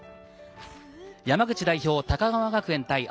山口代表・高川学園対